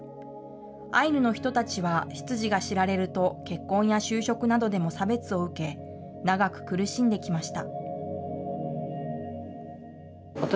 アイヌの人たちは出自が知られると、結婚や就職などでも差別を受け、長く苦しんできました。